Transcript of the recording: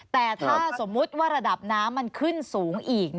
แต่ถ้าสมมุติว่าระดับน้ำมันขึ้นสูงอีก